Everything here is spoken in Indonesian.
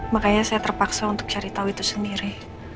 makanya saya terpaksa untuk cari tahu itu sendiri